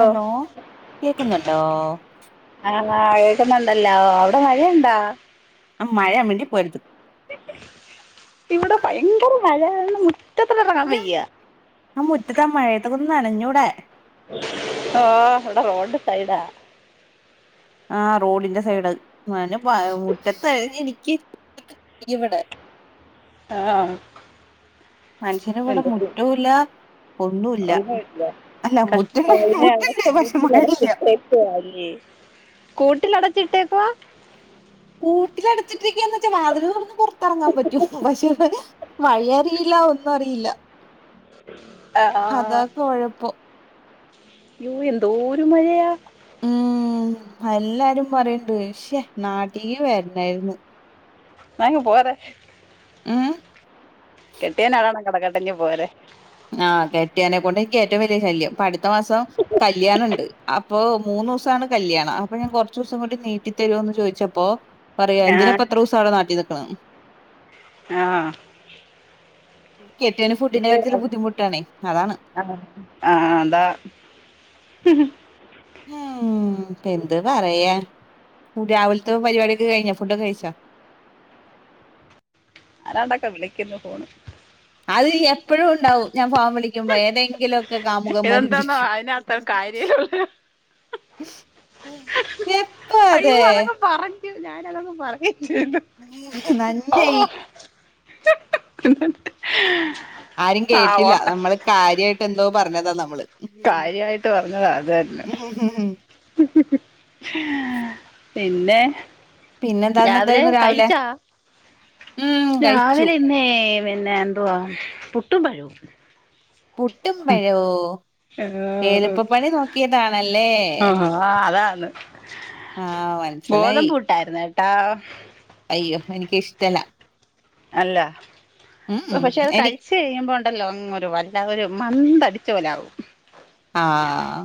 Hello കേക്കുന്നുണ്ടോ ആ വഴക്കുന്നുണ്ടല്ലോ അവിടെ മഴയുണ്ടോ മഴയാ വേണ്ടി പോയത് ഇവിടെ ഭയങ്കര മഴ ആ മുറ്റത്താ മഴയത്തക്കന്ന് നനഞ്ഞൂടെ ആഹ ഇവിടെ റോഡ് സൈഡ് ആ ആ റോഡിന്റെ സൈഡ് അ മുറ്റത്ത്ഴിഞ്ഞഞ്നി ഇവിടെ ആഹ മനുഷ്യന് ഇവിടെ മുറ്റൂല്ല ഒന്നല്ല കഷ്ട [inaudible] മഴയില്ല ട്ടല്ലേ കൂട്ടിലടച്ചിട്ടേക്കവാ കൂട്ടിലെടുത്തിട്ടിരിക്കാന്ന് വെച്ചാ വാതിലന്ന് പുറത്തിറങ്ങാൻ പറ്റും പക്ഷെ വഴിറിയില്ല ഒന്നും അറിയില്ല അതൊക്കെ കുഴപ്പം ഓ എന്തോ ഒരു മഴയാ ഉം എല്ലാരും പറയണ്ട് പക്ഷേ നാട്ടീക്ക് വരണായിന്ന് നങ്ങ പോര മ്മ് കെട്ടിയനാളാണ് കടക്കെട്ടഞ്ഞഞ് പോരെ ആഹ് കെട്ടിയാനെക്കൊണ്ട് എനിക്ക് ഏറ്റവും വലിയ ശല്യം പഠ അത്ത മാസം കല്യാണംുണ്ട് അപ്പോൊ മൂന്ന ദിവസ കാണ് കല്യാണം അപ്പൊ ഞാൻ കുറച്ച ദിവസം കൂടി നീട്ടി തരുമോന്ന് ചോദിച്ചപ്പോ പറയാ ആ എന്തിനാ പത്ര ദിവസം അവിടെ നാട്ടി നിക്കുന്നു ആ കെട്ടിയോന് ഫുഡിന്റെ ഇപ്പ കാര്യത്തില് ബുദ്ധിമുട്ടാണേ അതാണ് ആഹ ആഹ അതാ മ്മ്മ് ഉം എന്ത് പറയാ രാവിലത്തെ പരിപാടിിയക്കെ കഴിഞ്ഞ ഫുഡ കഴിച്ച അനാണ്ടൊക്കെ വിളിക്കുന്നു ഫോണ് അത് എപ്പഴും ഉണ്ടാവും ഞാൻ ഫാമിലി വിളിക്കുമ്പോ ഏതെങ്കിലൊക്കെ കാമുകന്മാർ ഇതെന്താന്നോ വിളിക്കും അതിനകത്ത് കാര്യമുള്ള ഉം അയ്യോ അതങ്ങ് പറഞ്ഞു ഞാനതങ്ങ് [unintelligible] ഓ നന്നായി [inaudible] ആരും ആ കേട്ടില്ല ഓട്ടെ നമ്മള് കാര്യായിട്ട് എന്തോ പറഞ്ഞതാ നമ്മള് കാര്യമായിട്ട് പറഞ്ഞത് അത് തന്നെ ഉം ഉം ഉം ഉം. പിന്നെ പിന്നെന്താന്ന് രാവിലെ എന്തായിരുന്നു കഴിച്ചോ ഉം കഴിച്ചു രാവിലെ ഇന്നേ പിന്നെ എന്തുവാ പുട്ടും പഴോ പുട്ടും പഴവോ എളുപ്പപ്പണി നോക്കിയതാണല്ലേ ആ അതാണ് ആഹ് മനസ്സിലായി ഗോതമ്പ് പുട്ടായിരുന്നു കെട്ടോ അയ്യോ എനിക്ക് ഇഷ്ടല്ല അല്ല. പക്ഷെ അത് എനി കഴിച്ച് കഴിയുമ്പോ ഉണ്ടല്ലോ [unintelligible] അല്ല ഒരു മന്തടിച്ച പോലെ ആകും ആഹ്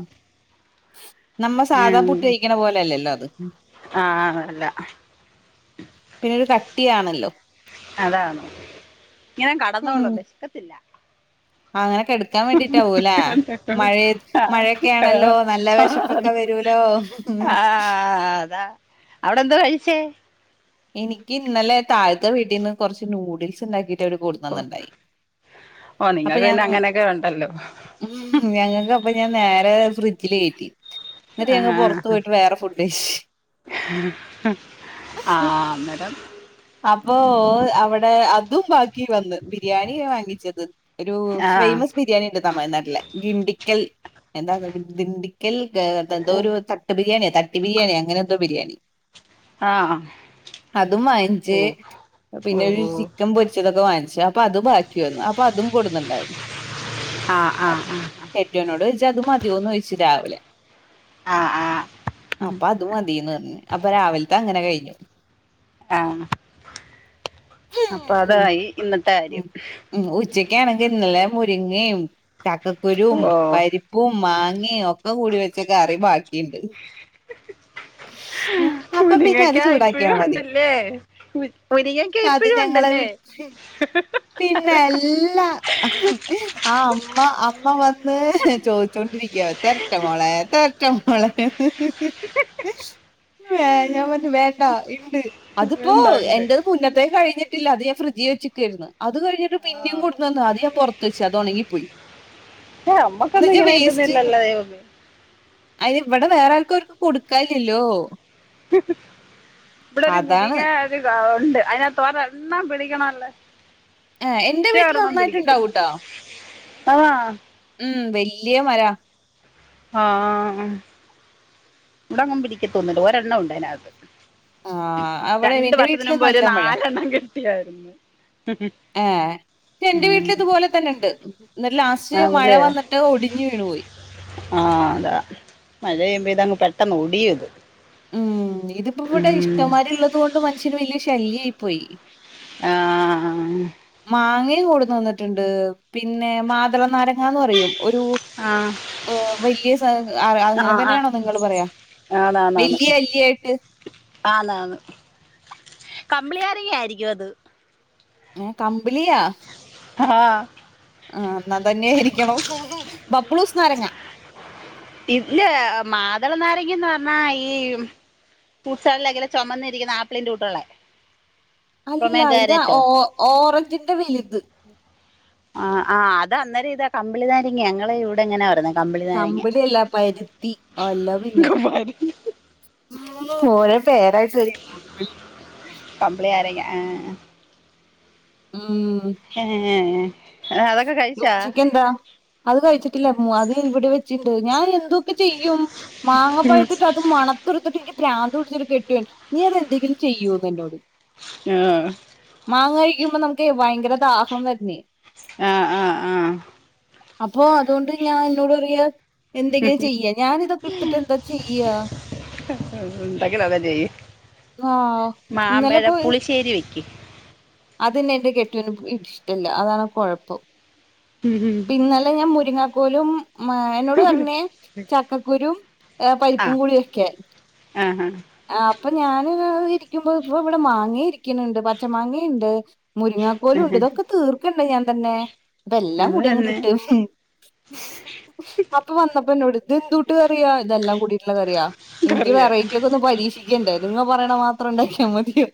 നമ്മൾ സാധാ ഉം. പുട്ട് കഴിക്കണ പോലല്ലല്ലോ അത് ആ അല്ല പിന്നൊരു കട്ടിയാണല്ലോ അതാണോ ഇങ്ങനെ ഉം കടന്നോളും വെശക്കത്തില്ല അങ്ങനെ കെടക്കാൻ വേണ്ടിട്ടാവും ല്ലെ. മഴയത്ത് ആ, മഴയൊക്കൊണല്ലോ നല്ല വിശപ്പൊക്കെ വരോലോ ആഹ് അതാ അവിടെ എന്താ കഴിച്ചേ എനിക്ക് ഇന്നലെ താഴത്തെ വീട്ടിൽന്ന് കൊറച്ച് നൂഡിൽസ് ഉണ്ടാക്കിട്ട് അവര് ഓ കൊടുന്നന്ന്ണ്ടായി ഓ അപ്പൊ നിങ്ങൾക്ക് പിന്നെ ഞാന് അങ്ങനെയൊക്കെ ഉണ്ടല്ലോ ഉം ഞങ്ങൾക്ക് അപ്പ ഞാൻ നേരെ നേരെ ഫ്രിഡ്ജില് കയറ്റി. എന്നിട്ട് ആ ഞങ്ങള് പുറത്ത് പോയിട്ട് വേറെ ഫുഡ് കഴിച്ച് ആഹ് അന്നേരം അപ്പൊ അവിടെ അതും ബാക്കി വന്ന് ബിരിയാണിയ വാങ്ങിച്ചത് ഒരു ആ ഫേമസ് ബിരിയാണി ഉണ്ട് തമിഴ്നാട്ടിലെ ഗിണ്ടിക്കൽ എന്താ ദിണ്ടിക്കൽ എന്തോ ഓ ഒരു തട്ട് ബിരിയാണിയോ തട്ടി ബിരിയാണിയോ അങ്ങനെ എന്തോ ബിരിയാണി ആ അതും ഓ വാങ്ങിച്ച് ഓ പിന്നെ ഒരു ഓ ചിക്കൻ പൊരിച്ചതൊക്കെ വാങ്ങിച്ച് അപ്പൊ അത് ബാക്കി വന്നു അപ്പൊ അതും കൊടുന്നുണ്ടായിരുന്നു ആ ആ കെട്ടിയോനോട് ചോയ്ച്ചു അത് മതിയോന്ന് ചോയ്ച്ച രാവിലെ ആ ആ അപ്പ അതു മതീന്ന് പറഞ്ഞു അപ്പൊ രാവിലത്തെ അങ്ങനെ കഴിഞ്ഞു ആഹ് അപ്പൊ അതായി ഇന്നത്തെ കാര്യം ഉച്ചക്കാണെങ്കിൽ ഇന്നലെ മുരിങ്ങയും ചക്കക്കുരും ഓ പരിപ്പും മാങ്ങയും ഒക്കെ ഒക്കെ കൂടി വെച്ച കറി ബാക്കിണ്ട് [inaudible] അത് മുരിങ്ങക്ക ചൂടാക്കിയാ ഇപ്പഴും മതി ഉണ്ട്ല്ലേ മുരിങ്ങക്ക അത് ഇപ്പഴും ഞങ്ങളെ ഉണ്ട്ല്ലേ വീ [inaudible] പിന്നെ അല്ലാ ആ അമ്മ അമ്മ വന്ന് ചോയ്‌ച്ചോണ്ടിരിക്കും തരട്ടെ മോളെ തരട്ടെ മോളെ വേ ഞാൻ പറഞ്ഞു വേണ്ട ഇണ്ട് അതിപ്പോ ഉണ്ടുണ്ട് എന്റെത് മുന്നത്തേ കഴിഞ്ഞിട്ട് ഇല്ല അത് ഞാൻ ഫ്രിഡ്ജില് വെച്ച്ക്കേര്ന്നു അത് കഴിഞ്ഞിട്ട് ആ പിന്നെയും കൊടുന്നന്നു. അത് ഞാൻ പുറത്ത് വെച്ച് അത് ഉണങ്ങിപ്പോയി ഏ നമ്മക്കൊന്നും [unintelligible] ഇങ്ങനെ വേസ്റ്റ് കിട്ടുന്നില്ലല്ലോ ദൈവമേ അയ്ന് ഇവിടെ വേറെ ആർ ർക്കും കൊടുക്കാല്ലല്ലോ ഇവിടൊരു മുരിങ്ങ ഒരു ഉണ്ട് അയിനകത്ത് ഒരെണ്ണം പിടിക്ക്‌ണില്ല ഏഹ് എന്റെ വീട്ടിൽ ഒറ്റയെരെണ്ണം നന്നായിട്ടുണ്ടാവൂട്ടോ പിടിക്കത്തില്ല മ് വെല്യേ മരാ ആഹ് ഇവടങ്ങും പിടക്കത്തൊന്നുല്ല ഒരെണ്ണം ഉണ്ടയ്നകത്ത് ആഹ് അവിടെ രണ്ട് എന്റെ വീട്ടില് വർഷത്തിന്മ്പ് ഒര് നാലെണ്ണം കിട്ടിയാര്ന്ന്. ഏ എന്റെ വീട്ട്ല് ഇത് പോലതന്നെണ്ട് ന്നട്ട് ലാസ്റ്റ് മഴ വന്ന്ട്ട് ഒടിഞ് വീണുപോയി. ആഹ് അതാ മഴെയ്യ്മ്പോ ഇതങ്ങ് പെട്ടന്ന് ഒടിയുത്. മ് ഇതിപ്പോ ഇവടെ ഇഷ്ടമാരിള്ളതോണ്ട് മനുഷ്യന് വല്ല്യേ ശല്യായി പോയി ആ മാങ്ങയും കൂടന്ന് വന്ന്ട്ട്ണ്ട് പിന്നെ മാതളനാരങ്ങാന്ന് പറയും ഒരു ആ ഏ വല്ല്യൊരു സാ ആ അങ്ങനെ ആ തന്നെയാണോ നിങ്ങള് പറയാ വല്ല്യേ അല്ലിയായിട്ട് കമ്പിളിയാരങ്ങയായിരിക്കും അത് ഏ കമ്പിളിയാ ആഹ് ബബ്ളൂസ് നാരങ്ങ ഇല്ല മാതള നാരങ്ങാന്ന് പറഞ്ഞാ ഈമ് ഫൂട്ട്സാലകിലെ ചൊമന്നിരിക്കുന്ന ആപ്പിളിന്റെ കൂട്ട്ള്ള അല്ല ഇത് ഓ ഓറഞ്ചിന്റെ വെല്ത് ആഹ് ആഹ് അത് അന്നര ഇതാ കമ്പളിനാരങ്ങ ഞങ്ങള് ഇവ്ടങ്ങനാ പറയ്ന്നേ കമ്പ്ളി അല്ല പര്ത്തി അല്ല പിന്നെ ഓര പേരാത്തരെ കമ്പ്ളി ഏ മ് ഏ അതക്കെ കഴിച്ചാ ഉച്ചക്ക് എന്താ അത് കഴിച്ചിട്ടില്ല മ അത് ഇവടെ വെച്ചിണ്ട് ഞാ എന്തൊക്കെ ചെയ്യും മാങ്ങപ്പഴ്ത്തിട്ട് അത് മ കണടുത്തിട്ട് എനിക്ക് ബ്രാന്ത്പിടിച്ചിട്ട് കെട്ട്യോൻ നീ അത് എന്തെങ്കിലും ചെയ്യോന്ന് എന്നോട് ആഹ് ആഹ് കഴിക്കുമ്പോ നമുക്ക് ഭയങ്കര ദാഹം വര്ന്നേ ആ ആ ആ അപ്പൊ അതുകൊണ്ട് ഞാൻ ന്നോട് പറയാ എന്തെങ്കിലും ചെയ്യേ ഞാന്തൊക്കെട്ത്ത്ട്ട് എന്താ ചിയ്യാ ഉണ്ടാക്കില അത് ചെയ് ആ ഇന്നലെ മാമ്പഴ പുളിശ്ശേരി വെ ക്കി അതെന്നെ എന്റെ കെട്ട്യോന് ഇഷ്ട്ടല്ല പ് അതാണ് പ് കൊഴപ്പം പിന്നലെ ഞാം മുരിങ്ങാക്കോലും മ എന്നോട് പറഞ്ഞേ ചക്കക്കുരൂം പരിപ്പും കൂടിവെക്കെ ഹ ഹാ അപ്പ ഞാന് ഇരിക്കുമ്പോ ഇപ്പൊ ഇവിടെ മാങ്ങ ഇരിക്ക്ണ് ണ്ട് പച്ച മാങ്ങേണ്ട് മുരിങ്ങാക്കോലുണ്ട് ഇതൊക്കെ തീർക്കണ്ടേ ഞാൻ തന്നെ അപ്പ അത് എല്ലാങ്കൂടി തന്നെ ങ്ങട്ട്ഇട്ട് അപ്പൊ വന്നപ്പോ ന്നോട് ഇതെന്തൂട്ട് കറിയാ ഇതെല്ലാം കൂടി നല്ല കറിയാ എനിക്ക് കറിയാ വെറൈറ്റി ഒക്കെ ഒന്ന് പരീക്ഷിക്കണ്ടേ നിങ്ങ പറയണ മാത്രണ്ടാക്കിയാമതിയോ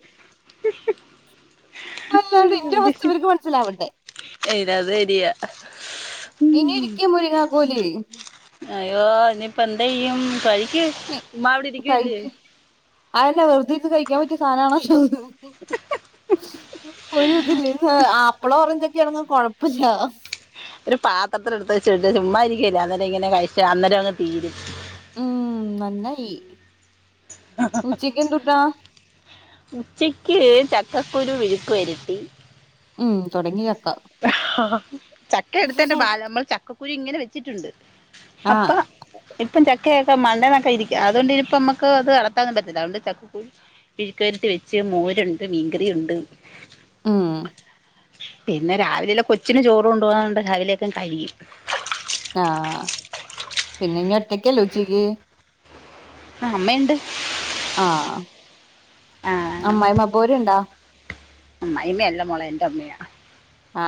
[unintelligible] ന്റെ അവസ്ഥവര്ക്ക് മനസ്സിലാവണ്ടേ അത് ശെരിയാ ഇനി ഇരിക്കാ മുരിങ്ങാകോല് അയ്യോ ഇനിപ്പോന്തയ്യും കഴിക്ക് ചുമ്മാവിടെരിക്കല്ലേ അതല്ല വെർതെഇരിന്ന് കഴിക്കാൻ പറ്റ്യേ സാധനാണോ അത് ഒര്തില്ലേ ന്നാ ആപ്പിളോ ഓറഞ്ചോക്കാണെങ്കി കൊഴപ്പല്ല ഒരു പാത്രത്തില്ട്ത്ത് വെച്ച് ചുമ്മാതിരിക്കല്ലേ അന്നേരം ഇങ്ങനെ കഴിച്ചാ അന്നേരം അങ് തീരും മ് നന്നായി ഉച്ചക്ക് എന്തുട്ടാ ഉച്ചയ്ക്ക് ചക്കക്കുരു വിഴുക്ക് വരട്ടി മ് തൊടങ്ങിയ ചക്ക എട്തേന്റെ ബാലം ഞമ്മൾ ചക്കക്കുരി ഇങ്ങനെ വെച്ചിട്ടുണ്ട് അപ്പ ആഹ് എപ്പൊ ച ക്കാ ഒക്കൊക്കെ മണ്ടന്നൊക്കെ ഇരിക്ക അതുകൊണ്ട ഇപ്പം നമുക്ക് അത് അടളത്താനും പറ്റില്ല അതൊണ്ട് ചക്കുരു മെഴുക്കുവാരാട്ടി വെച്ച് മോരുണ്ട് മീൻകറിണ്ട് ഉം പിന്നെ രാവിലെല്ല കൊച്ചിന് ചോറ് കൊണ്ട്പോക കൊണ്ട് രാവിലേക്കെ കഴിയും ആഹ് പിന്നെ ഇനി ഒറ്റക്കല്ലോ ഉച്ചിക്ക് ആ അമ്മ ഇണ്ട് ആഹ് അമ്മായിമ്മാ പോരിണ്ട ഉ അമ്മായിമ്മ അല്ല മോളെ എന്റെ അമ്മയാ അ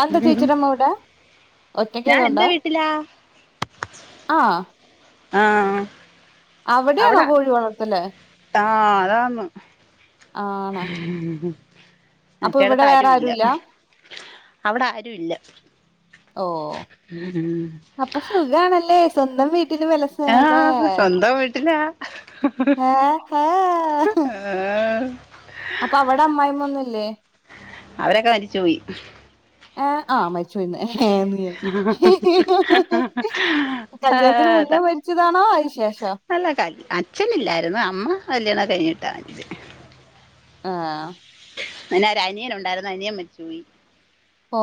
അയെന്ത ചേച്ചിടെ അമ്മവിടെ ഒറ്റക്ക് ഞാൻ ആയതു കൊണ്ട് എന്റെ വീട്ടിലാ ആഹ് ആഹ് അവിടെയാണോ കോഴി വളർത്തലേ ആഹ അതാണ് ആണ് അപ്പൊ മറ്റേടുത്ത് ഇവിടെ വേറെ ആരും ഇല്ല ആരുല്ല അവിടെ ആരുല്ല ഓ അപ്പൊ സുഖാണല്ലേ സ്വന്തം വീട്ട് ആഹ് സ്വന്തം വീട്ടിലാ ഏഹ് ആ അപ്പൊ അവിടെ അമ്മായി അമ്മ ഒന്നുല്ലേ അവരൊക്കെ മരിച്ചു പോയി ഏ ആ മരിച്ച് പോയിന്ന് ഏ ഏന്ന് കല്യാണത്തിന് മുന്നേ മരിച്ചതാണോ അയിന് ശേ അല്ല കല് അച്ഛനില്ലായിരുന്നു അമ്മ കല്യാണൊക്കെ കഴിഞ്ഞിട്ടാ മരിച്ചേ ആഹ് പിന്നൊരു അനിയൻ ഒണ്ടായിരുന്നു അനിയൻ മരിച്ച് പോയി ഓ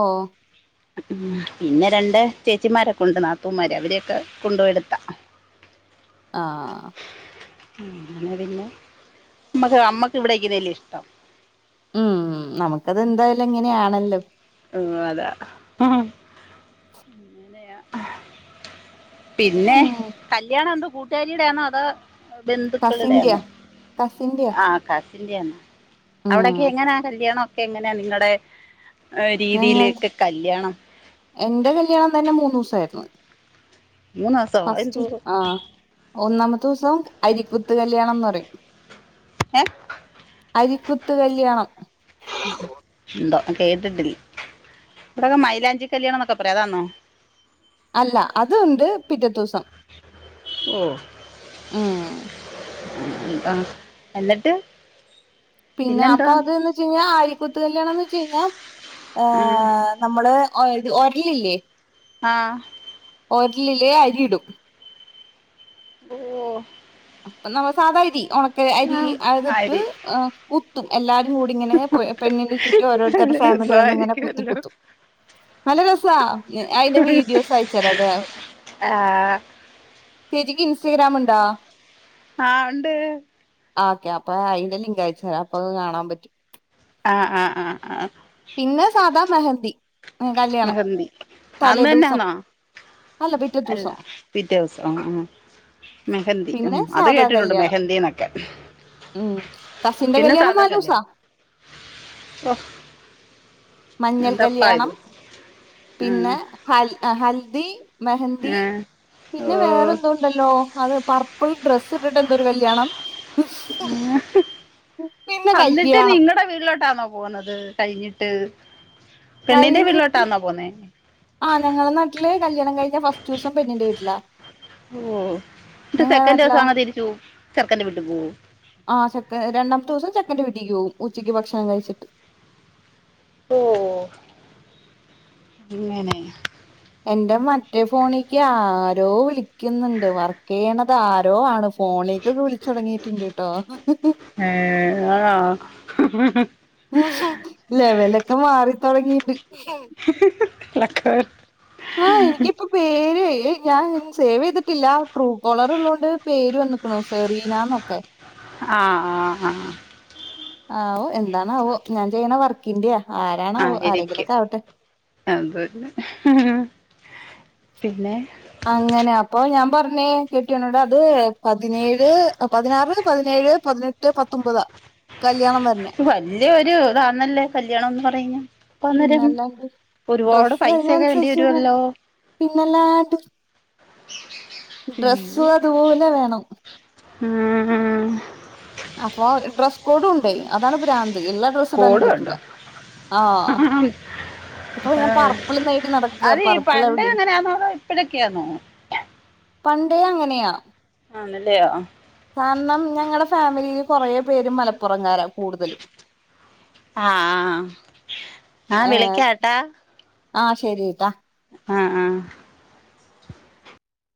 ഉം പിന്നെ രണ്ട് ചേച്ചിമാരൊക്കെ ഉണ്ട് നാത്തൂമാര് അവരൊക്കെ കൊണ്ടുപോയെടുത്താ ആ ആഹ് അങ്ങനെ പിന്നെ നമ്മക്ക് നമ്മക്ക് ഇവിടെനിക്കുന്നെ അല്ലേ ഇഷ്ടം ഉം നമുക്കതെന്തായാലും ഇങ്ങനെയാണല്ലോ ഓ അതാ അങ്ങനെയാ പിന്നെ ഉം കല്യാണം എന്തോ കൂട്ടുകാരിടെയാണോ അതോ കസിന്റെയാ ബന്ധുക്കളുടെയാണോ കസിന്റെയാ ആ കർ [unintelligible] ഉം അവിടക്കെ എങ്ങനാ കല്യാണം ഒക്കെ എങ്ങനെയ നിങ്ങടെ ആ ഞങ്ങൾ രീതിയിലേയെക്കെ കല്യാണം എന്റെ കല്യാണം തന്നെ മൂന്ന് ദിവസായിരുന്നു മൂന്ന് ദിവസോ ഫസ്റ്റ് എന്തോ ആഹ് ഒന്നാമത്തെ ദിവസം അരിക്കുത്ത് കല്യാണംന്ന് പറയും ഏ അരിക്കുത്ത് കല്യാണം ആ എന്തോ കേട്ടിട്ടില്ല ഇവിടെക്കെ മൈലാഞ്ചി കല്യാണം എന്നൊക്കെ പറയും അതാന്നോ അല്ല അത് ഉണ്ട് പിറ്റത്തെ ദിവസം ഓ ഉം ആഹ് എന്നിട്ട് പിന്നെ അപ്പൊ പിന്നെന്താ അതിന്ന് വെച്ച് കഴിഞ്ഞാ അരിക്കുത്ത്കല്യാണംന്ന് വെച്ച് കഴിഞ്ഞാ ഏ നമ്മള് ഒയ ഒരലില്ലേ ആഹ് ഒരലില് അരിയിടും ഓ അപ്പ നമ്മ സാധാ അരി ഉണക്ക അരി ആ അതിട്ട് ആരി കുത്തും എല്ലാട കൂടി ഇങ്ങനെ പെ പെണ്ണിന്റെ ചുറ്റും ഓരോരുത്തരുടെ നല്ല ഫാമിലി വന്നിങ്ങനെ രസായിരിക്കുമല്ലോ കുത്തിക്കുത്തും നല്ല രസാ അയിന്റെ വീഡിയോസ് അയച്ചരാ അത ആഹ് ചേച്ചിക്ക് ഇൻസ്റ്റഗ്രാം ഉണ്ടോ ആഹ് ഉണ്ട് ആ ഓക്കെ അപ്പൊ അയിന്റെ ലിങ്ക് അയച്ചു തരാം അപ്പൊ കാണാൻ പറ്റും ആഹ് ആഹ് ആ ആ പിന്നെ സാദാ മെഹന്തി കല്യാണം മെഹന്തി തലേ അന്ന് ദിവസം തന്നെയാന്നോ അല്ല പിറ്റേ അല്ല ദിവസം പിറ്റേ ദിവസം ആ മെഹന്തി ഉം പിന്നെ അത് സാധാ കേട്ടിട്ടുണ്ട് കല്യാണം മെഹന്തീന്നൊക്കെ ഉം കസിന്റെ കല്യാണം നാലൂസാ ഓഹ് മഞ്ഞൾ കല്യാണം ആ പിന്നെ ഹൽ ഹൽദി മെഹന്തി ആ ഓ പിന്നെ വേറെ എന്തോ ഇണ്ടല്ലോ അത് പർപ്പിൾ ഡ്രസ്സ് ച്ട്ട്ട്ടെന്തൊരു കല്യാണം പിന്നെ അന്നിട്ട് കല്യാണം നിങ്ങളടെ വീട്ടിലോട്ടാന്നോ പോവുന്നത് കഴിഞ്ഞി ട്ട് കഴിഞ്ഞിട്ട് ആ ഞങ്ങളെ നാട്ടില് കല്യാണം കഴിഞ്ഞ ഫസ്റ്റൂസം പെണ്ണിൻ്റെ വീട്ടിലാ ഓ ഇട്ട് നിങ്ങളെ സെക്കൻ്റൂസം നാട്ടിലാ അങ്ങ് തിരിച്ചു ചെർക്കൻന്റെ വീട്ടി പോവോ ആ ചെക്കൻ രണ്ടാമത്തൂസം ചെക്കൻ്റെ വീട്ടിക്ക് പോവും ഉച്ചക്ക് ഭക്ഷണം കഴിച്ചിട്ട് ഓ അങ്ങനെ എന്റെ മറ്റേ ഫോണിക്ക് ആരോ വിളിക്ക് ന്ന്ണ്ട് വർക്കെ യ്യണത് ആരോ ആണ് ഫോണിക്കൊക്കെ വിളിച്ചു തൊടങ്ങിട്ട്ണ്ട്ട്ടോ ഏ ആ ലെവലൊക്കെ മാറിത്തൊടങ്ങിണ്ട് ലക്ക [unintelligible] ആ എനിക്കിപ്പൊ പേരായ് ഏ ഞാൻ ഒന്നും സേവെയ്തിട്ടില്ല ട്രൂ കോളർ ഉള്ളോണ്ട് പേര് വന്ന്ക്ക്ണു സെറീനന്നൊക്കെ ആ ആ ആ ആവോ എന്താണാവോ ഞാൻ ചെയ്യണ വർക്കിൻ്റ്യാ ആ ഇരിക്കും അതെന്നെ പിന്നെ അങ്ങനെ അപ്പൊ ഞാ പർഞ്ഞേ കെട്ട്യോനോടത് പതിനേഴ് പതിനാറ് പതിനേഴ് പതിനെട്ട് പത്തൊമ്പതാ ഉ കല്യാണം വരണേ വല്യ ഒരു ഇതാന്നല്ലേ കല്യാണംന്ന് പറയുന്നെ പ്പ അന്നേരം പിന്നല്ലാണ്ട് ഒരുപാട് പൈസ്യക്കെ വേണ്ടി വരുവല്ലോ പിന്നെല്ലാണ്ട് ഉ ഡ്രസ്സ് അതുപോലെ വേണം ഉം അപ്പൊ ഡ്രസ് കോഡു ണ്ടേ അതാണ് ഭ്രാന്ത് ഇള്ള ഡ്രസ്സിടാനും പറ്റൂല ആഹ് ആന്ന് ഇപ്പൊ ആ ഞാൻ പർപ്പിൾ നേടി നടക്ക അതീ പർപ്പിൾ പണ്ട് എവിടെ എങ്ങനെയാന്നോ അതൊ ഇപ്പഴക്കെയന്നോ ആ പണ്ടേ അങ്ങനെയാ ആണല്ലെ ആം കാരണം ഞങ്ങടെ ഫാമിലിയില് കുറ പേര് മലപ്പുറം കാര കൂടുതലും ആ ആ ആ ഏ വിളിക്കാട്ടാ അ ശെരിട്ടാ ആ ആ